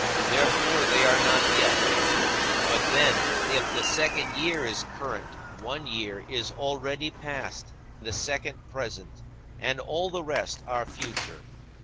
Therefore, they are not yet. But, then, if the second year is current, one year is already past, the second present, and all the rest are future.